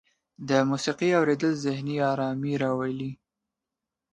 د موسیقۍ اوریدل ذهني ارامۍ راولي.